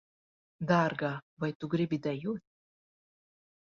Dārgā, vai tu gribi dejot?